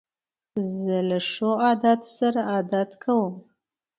زه له ښو عادتو سره عادت کوم.